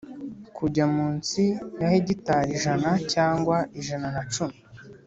Kujya munsi ya hegitari ijana cyangwa ijana nacumi